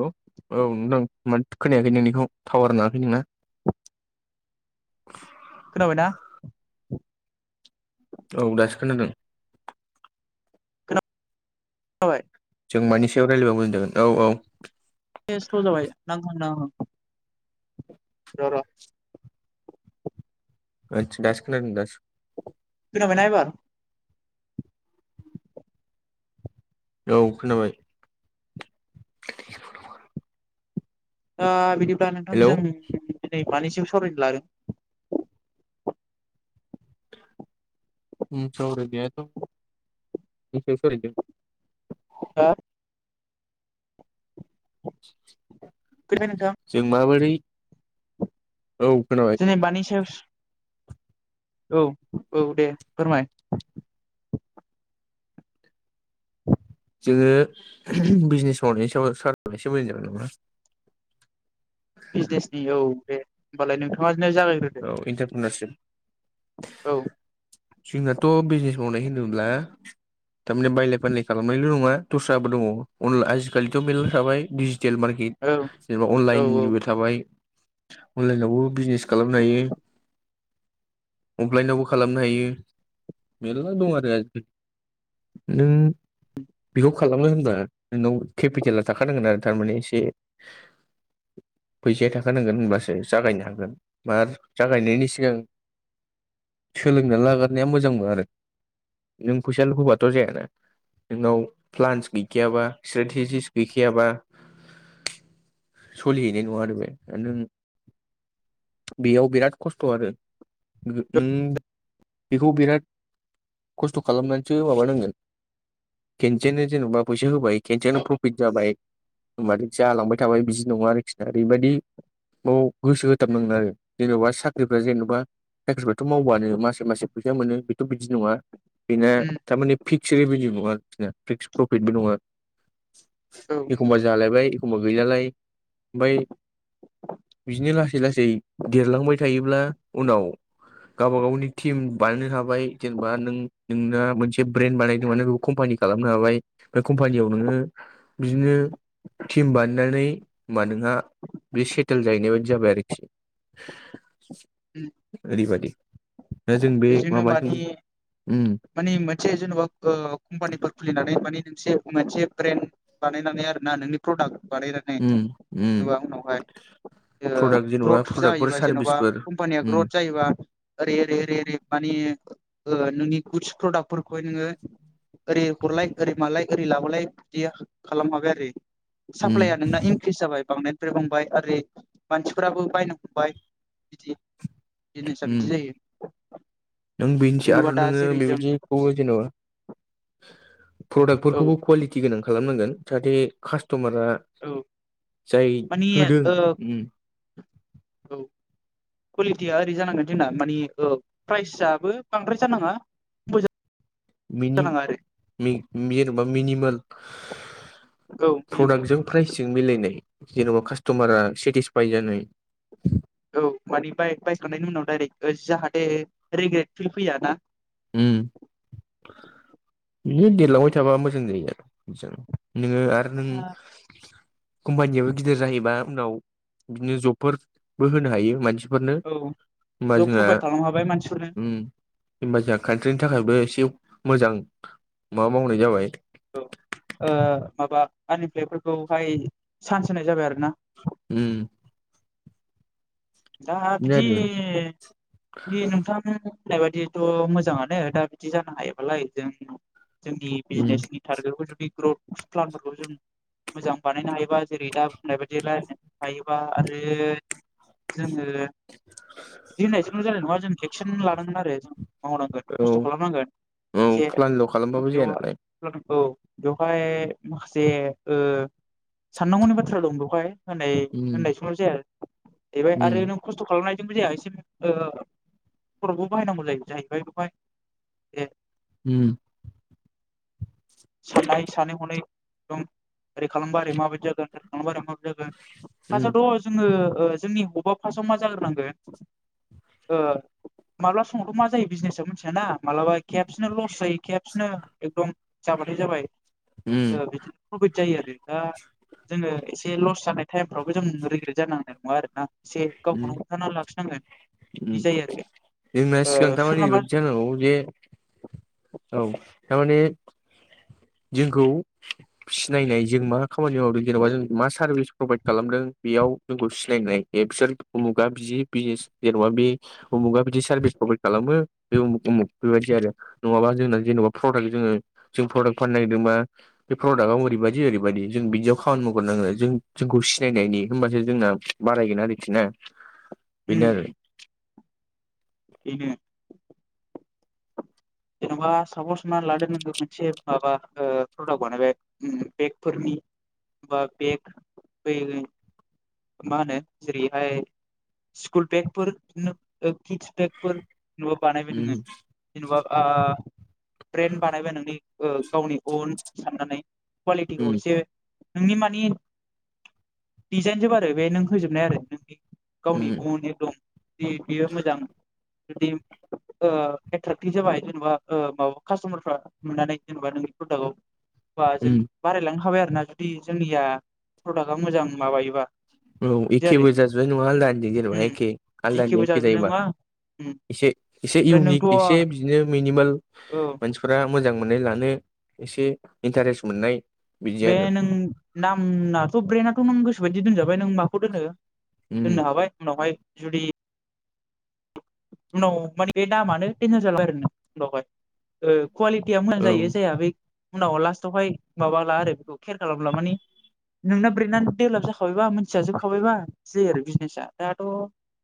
हेल' औव नोंथां? मोन खोनायाखै नोंनिखौ टावार नांङाखैय नोंना खोनाबाय ना औ दासो खोनादों बाय जों मानि सायाव रायज्लायबा मोजां जागोन औ औ- ए स्ल'जाबाय नांब्रोद नांङाब्रोद र' र' ओदस दासो खोनादों दासो खोनाबायना एबार? औ खोनाबाय। दा बिदिब्ला नोंथां हेलौ जों दिनै मानि सायाव सावरायनो लादों? उम सावरायनायाथ' मानि सायाव सावरायदों ओ [inaudible] खैथाय नोंथां जों माबोरै औ खोनाबाय। दिनै मानि सायाव स औ औ दे फोरमाय? जोङो बिजनेस मावनायनि सायाव सावरायबा एसे मोजां जागोन नामा? बिजनेसनि औ दे होनबालाय नोंथाङानो जागायग्रो औ इन्टारप्रिनारशिप औ जोंनाथ' बिजनेस मावनाय होनोब्ला थारमाने बायलाय फानलाय खालामनायल' नङा दस्राबो दङ अनला आजिखालिथ' मेल्ला थाबाय दिडिजिटेल मारक केट औ जेनेबा औ औ अनलाइननिबो थाबाय अनलाइनायावबो बिजिनेस खालामनो हायो। अफलाइनावबो खालामनो हायो मेरला दं आरो आजिख नों बेखौ खालामनो होनोब्ला नोंनाव केपिटेला थाखानांगोन आरो थारमाने एसे फैसाया थाखानांगोन होनबासो जागायनो हागोन। मार जागायनायनि सिगां सोलोंना लाग्रोनाया मोजांबो आरो नों फैसा लु होबाथ' जायाना नोंनाव प्लान्स गैखायाबा सेथेजिस गैखायाबा सलिहैनाय नङा आरो बे नों बेयाव बिराद खस्थ' आरो गो नों बेखौ बिराद खस्थ' खालामनानैसो माबानांगोन। खेनसेनो जेनेबा फैसा होबाय खेनसेनो प्रफिट जाबाय। होमबाथाय जालांबाय थाबाय बिदि नङा आरोखिना ओरैबायदि न गोसो होथाब मोन आरो जेन'बा साख्रिफ्रा जेन'बा साख्रिफ्राथ' मावबानो मासे मासे फैसा मोनो बेथ' बिदि नङा। बेना उम थारमाने फिक्स रेभिनिउ नङा आरोखिना फिक्स प्रफिटबो नङा। औ एखमबा जालायबाय एखमबा गैलालाय ओमफाय बिदिनो लास लासै लासै देरलांबाय थायोब्ला उनाव गावबा गावनि टिम बानायनो थाबाय जेनेबा नों नोंना मोनसे ब्रेन्ड बानायदों माने बे कम्पानि खालामनो हाबाय बे कम्पानियाव नोङो बिदिनो टिम बानायनानै मा नोंहा बे सेटेल जाहैनाय बादि जाबाय आरोख से उम ओरैबादि बेजोंनो माने उम माने मोनसे जेनबा ओ कम्पानिफोर खुलिनानै माने नोंसे मोनसे ब्रेन्ड बानायनानै आरोना नोंनि प्रडाक्ट बानायनानै उम उम जेनेबा उनावहाय इयो प्रडाक्ट जेन'बा ग्रथ प्रडाक्टफोर जाहैबा जेन'बा सारभिसफोर कम्पानिया उम ग्रथ जायोबा ओरै ओरै ओरै ओरै माने ओ नोंनि गुड्स प्रडाक्टफोरखौहाय नोङो ओरै हरलाय ओरै मालाय ओरै लाबोलाय बिदिया खालाम खाबाय आरो उम सापलाया नोंना इनक्रिस जाबाय बांनाय जो बांबाय आरै मानसिफोराबो बायनो हमबाय बिदि। जिनिसा उम बिदि जायो। नों बिनस जेन'बा आरो दा नोङो जेरै जों बेबायदिखौ बुङो जेन'बा औ प्रदाक्टफोरखौबो कुवालि टि गोनां खालामनांगोन जाहाथे कास्टमारा औ जाय मानि होदों ओ उम औ कुवालिटिया ओरै जानांगोन जोंना मानि ओ प्राइस आबो बांद्राय जानाङा [inaudible] बिनि जानाङा आरो मे जेन'बा मिनिमोल औ मिनिमाम प्रडाक्टजों प्राइसजों मिलायनाय जेन'बा कास्ट'मारा सेटिसफाइ जानाय औ मानि बाय बायखांनायनि उनाव डायरेक्ट जाहाथे रिग्रेट फिल फैया ना? उम बिनो देरलांबा थाबा मोजां जायो नोङो आर नों आंहा कम्पानियाबो गिदिर जाहैबा उनाव बिदिनो जबफोरबो होनो हायो मानसि फोरनो औ होमबा जब जोंहा प्रभाइद खालाम हाबाय मानसिफोरनो उम होनबा जोंहा कान्ट्रिनि थाखायबो एसे मोजां मा मावनाय जाबाय औ माबा आन एप्लइफोरखौहाय चान्स होनाय जाबाय आरोना उम दा बिदिनो बिदि आरो बे नोंथां होननाय बादिथ' मोजाङानो दा बिदि जानो हायोबालाय जों जोंनि उम बिजनेसनि टारगेटखौ जुदि ग्रथ प्लानफोरखौ जों मोजां बानायनो हायोबा जेरै दा बुंनायबादि [unintelligible] हायोबा आरो जोङो [inaudible] बिदि होननायजोंल' जानाय नङा जों एक्सन लानांगोन आरो जों मावनांगोन औ खस्थ' खालामनांगोन औ जे प्लाानल' खालामबाबो जाया नालाय बेवहाय औ बेवहाय माखासे ओ साननांगौनि बाथ्रा दं बेवहाय होनै उम होननाय जोंल' जाया बेबाय उम आरो नों खस्थ' खालामनायजोंबो जाया एसे ओ खर'बो बाहायनांगौ जायो जाहैबाय बेवहाय [unintelligible] उम साननाय सानै हनायै एदम ओरै खालामबा ओरै माबायदि जागोन [unintelligible] माबोरै जागोन उम फार्स्आवथ' जोङो ओ जोंनि हबा फार्स्टआव मा जाग्रोनांगोन माब्ला समावथ' मा जायो बिजनेसाव मिथियाना माबलाबा खेबसेनो लस जायो खेबसेनो एकदम जाबाथाय जाबाय उम ओ बिदि प्रफिट जायो आरो दा जोङो एसे लस जानाय टाइमफ्रावबो जों रिग्रेट जानांनाय नङा आरोना इसे उम गावखौनो हमथाना लाखिनांगोन उम बिदि जायो आरो जोंना सिगां ओ तारमाने सोरनाबा ओरैबायदि जानांगौ जे औ थारमाने जोंखौ सिनायनाय जों मा खामानि मावदों जेन'बा जों मा सार्भिस प्रभाइद खालामदों बेयाव जोंखौ सिनायनाय एकसोर अमुगा बि बिजनेस जेन'बा बे उमुगा बिदि सार्भिस प्रभाइद खालामो बे उमुग उमुग बेबायदि आरो नङाबा जोंना जेनेबा प्रडाक्ट जोङो जों प्रडाक्ट फाननो नागिरदों बा बे प्रडाक्टआव ओरैबायदि ओरैबायदि जों बिदियाव खामानि मावग्रनांगो जों जोंखौ सिनायनायनि होमबासो जोंना बारायगोन आरोखि ना बेनो उम आरो ऐनो जेनेबा सापस हमना लादो नों मोनसे माबा ओ प्रडाक्ट बानायबाय उम बेगफोरनि बा बेग [unintelligible] मा होनो जेरैहाय स्कुल बेगफोर ओ किदस बेगफोर न'आ बानायबाय नोङो उम जेनेबा आ ब्रेन्ड बानायबाय नोंनि ओ गावनि अन साननानै कुवालिटिखौ उम एसे नोंनि मानि डिजाइन जोब आरो बे नों होजोबनाय आरो नोंनि गावनि उम अनेग दं बि बेयो मोजां बिबदि ओ एट्राकटिभ जाबाय जेन'बा ओ माबा कास्ट'मारफ्रा। नुनानै जेनेबा नोंनि प्रडाकखौ। बा जों उम बारायलांनो हाबाय आरोना जुदि जोंनिया प्रडाक्आ मोजां माबायोबा। औ बिदि आरो एखेबो जाजोबबाय नङा आलदानि जेनेबा उम एखे एखेबो आलदानि एखे जाजोबनाय जायोबा। नङा उम एसे एसे ओमफ्राय नोंथ' इउनिक औ एसे बिदिनो मिनिमाल मानसि फोरा मोजां मोननाय लानो एसे इन्टारेस्ट मोननाय। बिदि बे आरो नों नामआथ' ब्रेथ' नों गोसोबायदि दोनजाबाय नों माखौ दोनो। उम दोननो हाबाय उनावहाय जुदि। उनाव माने बे दामानो देनजार जालांबाय आरो उनावहाय ओ कुवालि कुवालितिया मोजां औ जायो जाया बे उनाव लास्टावहाय माबाला आरो बेखौ केयार खालामब्ला माने नोंना ब्रैनानै डेभेलप जाखाबायबा मोनथिया जोबखाबायबा जायो आरो बिजनेसा दाथ'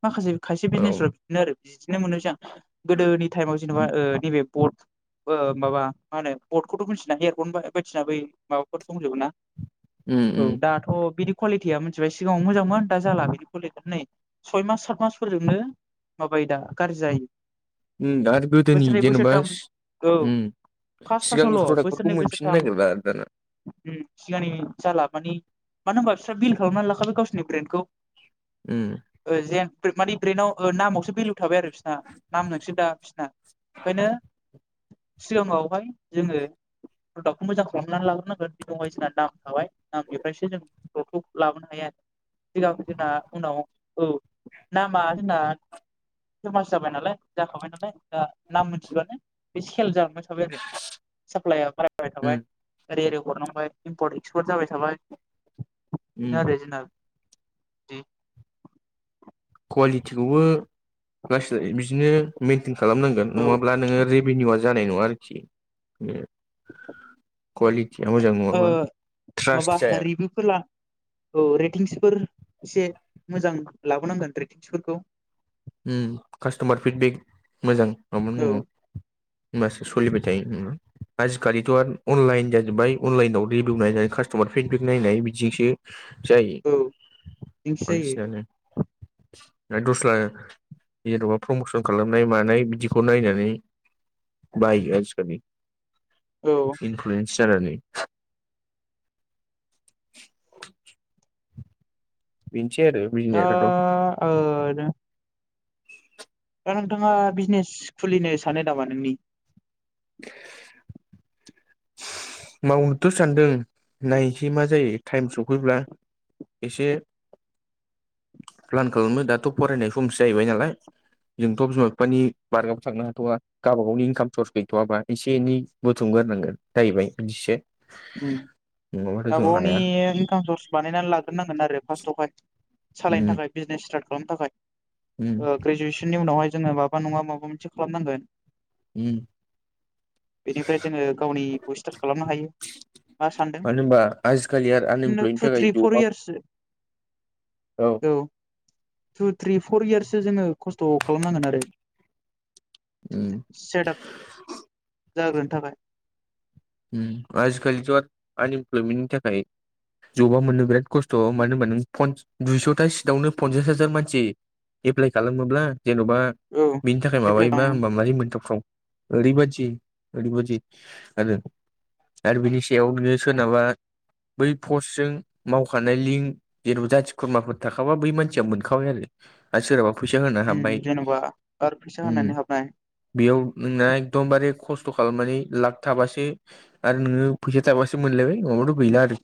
माखासे खायसे औ बिजनेसफोर बिदिनो आरो बिदिनो मोनोसै सिगां गोदोनि टाइमाव उम जेन'बा ओ नैबे पर्ट ओ माबा मा होनो पटखौथ' मिथिना हेयारफन बायदिसिना बै माबाफोर दंजोबो ना। औ उम दाथ' बिदि कुवालिटिया मिथिबाय सिगाङाव मोजांमोन दा जाला बिदि कुवालिटिया नै सय मास सात मासफोरजोंनो माबायो दा गाज्रि जायो। उम दा आरो गोदोनि बोसोरनै जेनेबा बोसोरथाम औ उम। फार्स्ट सिगांनि फार्स्टआवल' प्रडाक्ट फोरखौ बोसोरनै मोनफिननो बोसोरथाम नागिरला दाना। उम सिगांनि जाला मानि मानो होनबा बिस्रा बिल खालामनानै लाखाबाय गावसिनि ब्रेन्डखौ। उम। ओ जेनफोर मानि ब्रेनाव ओ नामावसो भेलु थाबाय आरो बिसोरना नाम नोंसो दा बिसोरना ओंखायनो सिगाङावहाय जोङो। प्रडाकखौ मोजां खालामनानै लाग्रोनांगोन बायदिसिना नाम थाबाय नामनिफ्रायसो जों। फथ' लाबोनो हायो सिगां जोंना उनाव औ नामा जोंना फेमास जाबाय नालाय जाखाबाय नालाय दा नाम मोनथिबानो बे सेल जाबाय। थाबाय आरोै साप्लइआ बारायाय उम थाबाय। ओरै ओरै हरनांबाय इमपर्ट एक्सपर्ट जाबाय थाबाय उम बेनो आरो जोंना बिदि कुवालिटिखौबो लासै लाै बिदिनो मेइेनटेन खालामनांगोन औ नङाब्ला नोङो रि रभिनिउआ जानाय नङा आरोखि बेनो कुवालिटिया मोजां नङाबा ट्रास्ट जाया। बेफोर ला औ रेटिंसफोर एसे मोजां लाबोनांगोन रेटिंसफोरखौ। उम कास्ट'मार फिडबेक मोजां मामा औ नांगोन। होमबासो सोलिबाय थायो उम आजिखालिथ'अनलाइन जाजोब्बाय अनलाइनाव रिभिउ नायनानै कास्ट'मार फिडबेक नायनाय बिदिजोंसो जायो औ बिदिसो जायो बांसिनानो दस्रा मिरुआव प्रमसन खालामनाय मानाय बिदिखौ नायनानै बायो आजिखालि औ इनफ्लुयन्स नायनानै बिनोसै आरो बिजनेसाथ' [inaudible] दा नोंथाङा बिजिनेस खुलिनो सानो नामा नोंनि? [inaudible] मावनोथ' सानदों नायनोसै मा जायो टाइम सफैब्ला एसे प्लान खालामो दाथ' फरायनाय समसो जाहैबाय नालाय जोंथ' बिमा बिफानि बारगाबो थांनो हाथ'वा। गावबा गावनि इनकाम सर्स गैथ'वाबा एसे एनै बुथुमग्रोनांगोन जाहैबाय बिदिसो उम [unintelligible] नङाबाथ' जों हाया इनकाम सर्स बानायनानै लाग्रोन नांगोन आरो फार्स्टआवहाय सालायनो उम थाखाय बिजिनेस स्टार्ट खालामनो थाखाय। उम ओ ग्रेजुवेसननि उनावहाय जोङो माबा नङा माबा मोनसे खालामनांगोन। उम बेनिफ्राय जोङो गावनिखौ स्टार्ट खालामनो हायो। मा मानो होनबा आजिखालि आरो सानदों आनइमप्लयनि थु थाखाय थ्रि फर जबा इयार्ससो औ। टु थ्रि फर इयार्सो जोङो खस्थ' खालामनांगोन आरो। उम सेटआप जाग्रोनो थाखाय उम आजिखालिथ' आनइमप्लयमेन्टनि थाखाय जबा मोननो बिराद खस्थ' मानो होनबा नों दुइस'था सिटावनो पनसास हाजार मानसि एप्लाइ खालामोब्ला जेन'बा औ बिनि थाखाय एप्लाइ माबायोबा खालामो होमबा माब्रै मोनथावथाव? ओरै बादि ओरैबादि आरो आरो बिनि सायाव बिनो सोरनाबा बै पस्टजों मावखानाय लिंक जेन'बा जाथि खुरमाफोर थाखाबा बै मानसिया मोनखाबाय आरो। आरो सोरहाबा फैसा होना उम हाब्बाय जेन'बा आरो फैसा उम होनानै हाबनाय बेयाव नोंना एकदमबारे खस्थ' खालामनानै लाखथाबासो आरो नोङो फैसा थाबासो मोनलायबाय नङाब्लाथ गैला आरो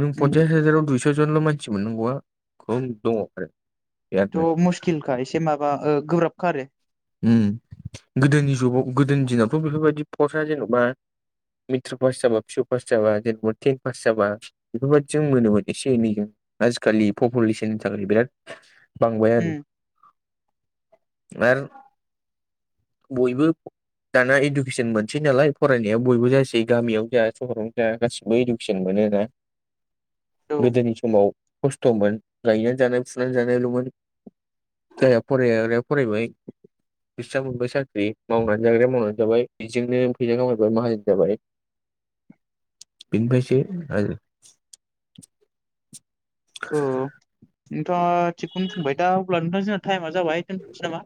नों उम पन्सास हाजाराव दुइस' जनल' मानसि मोननांगौआ खम दङ आरो बिरादनो थ' मुस्किलखा एसे माबा गोब्राबखा आरो उम गोदोनि जुगाव गोदोनि दिनावथ' बेफोरबायदि पसआ जेन'बा मेट्रिक पास जाबा पिऊ पास जाबा जेनबा तेन पास जाबा बेफोरबायदिजों मोनोमोन एसे एनै जों आजिखालि पपुलेसननि थाखाय बिराद बांबाय आरो उम आर बयबो दाना इडुकेसनमोन थि नालाय फरायनाया बयबो जासै गामियाव जा सहरावनो जा गासिबो इडुकेसन मोनोना औ गोदोनि समाव खस्थ'मोन गायनान जानाय फुनान जानायल'मोन जायहा फराया बेहा फरायबाय बिस्रा मोनबाय साख्रि मावनानै जाग्राया मावनानै जाबाय बेजोंनो फैसा खामायबाय माहाजोन जाबाय बेनिफ्रायसो आरो औ नोंथाङा थिगखौनो बुंबाय दा अब्ला नोंथां जोंहा टाइमा जाबाय दोनथ'नोसै नामा?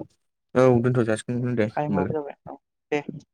औ दोनथ' जासि टाइम आबो जाबाय औ दे।